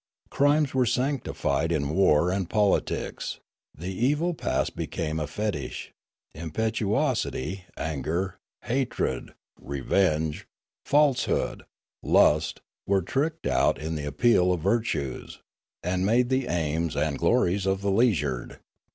Crimes were sanctified in war and poli tics; the evil past became a fetich; impetuosity, anger, hatred, revenge, falsehood, lust, were tricked out in Hermitry 49 the apparel of virtues, and made the aims and the glories of the leisured.